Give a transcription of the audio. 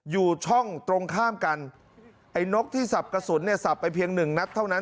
อยู่ช่องตรงข้ามกันไอ้นกที่สับกระสุนเนี่ยสับไปเพียงหนึ่งนัดเท่านั้น